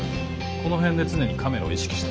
この辺で常にカメラを意識して。